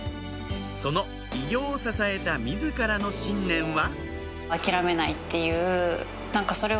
その偉業を支えた自らの信念は？